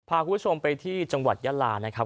พาคุณผู้ชมไปที่จังหวัดยาลานะครับ